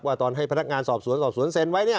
ตอนให้พนักงานสอบสวนสอบสวนเซ็นไว้เนี่ย